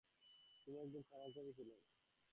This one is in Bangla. তিনি একজন চারণকবি ছিলেন।